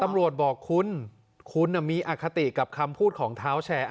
บอกคุณคุณมีอคติกับคำพูดของเท้าแชร์